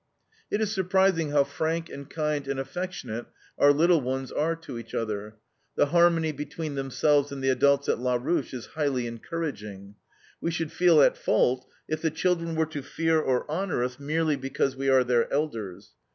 "It is surprising how frank and kind and affectionate our little ones are to each other. The harmony between themselves and the adults at LA RUCHE is highly encouraging. We should feel at fault if the children were to fear or honor us merely because we are their elders.